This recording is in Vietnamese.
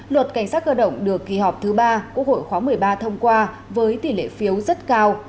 luật cảnh sát cơ động được kỳ họp thứ ba quốc hội khóa một mươi ba thông qua với tỷ lệ phiếu rất cao